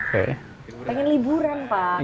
pengen liburan pak